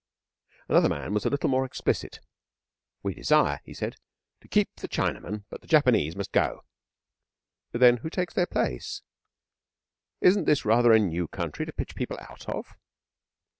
Another man was a little more explicit. 'We desire,' he said, 'to keep the Chinaman. But the Japanese must go.' 'Then who takes their place? Isn't this rather a new country to pitch people out of?'